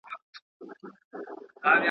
له غاړګیو به لمني تر لندنه ورځي.